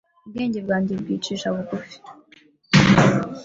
Ubwenge bwanjye bwicisha bugufi,